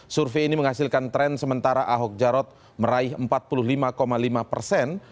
survei ini menghasilkan tren sementara ahok jarot meraih empat puluh lima lima persen